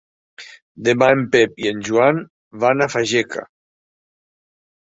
Demà en Pep i en Joan van a Fageca.